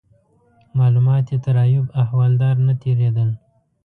معلومات یې تر ایوب احوالدار نه تیرېدل.